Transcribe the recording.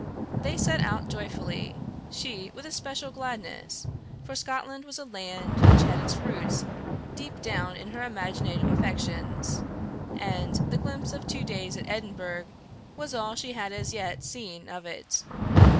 They set out joyfully; she with especial gladness, for Scotland was a land which had its roots deep down in her imaginative affections, and the glimpse of two days at Edinburgh was all she had as yet seen of it.